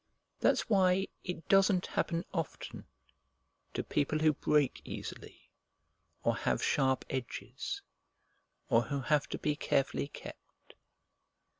That's why it doesn't happen often to people who break easily, or have sharp edges, or who have to be carefully kept.